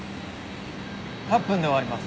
８分で終わります。